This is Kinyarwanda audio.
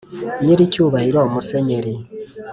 nyiricyubahiro musenyeri,